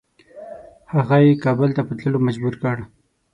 هغه یې کابل ته په تللو مجبور کړ.